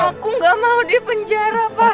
aku nggak mau di penjara pak